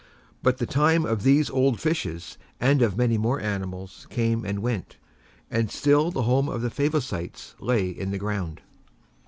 But the time of these old fishes and of many more animals came and went, and still the home of the Favosites lay in the ground.